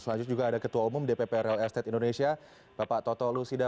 selanjutnya juga ada ketua umum dpp real estate indonesia bapak toto lusida